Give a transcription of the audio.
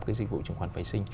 cái dịch vụ chứng khoán vệ sinh